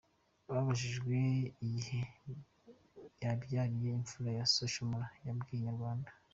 Abajijwe igihe yabyariye imfura ye Social Mula yabwiye Inyarwanda.